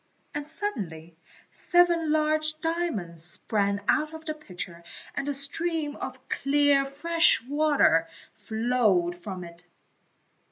And suddenly seven large diamonds sprang out of the pitcher and a stream of clear, fresh water flowed from it.